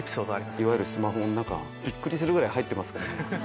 いわゆるスマホの中びっくりするぐらい入ってます。